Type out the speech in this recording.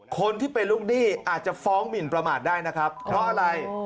คนที่เป็นลูกหนี้อาจจะฟ้องหมินประมาทได้นะครับเพราะอะไร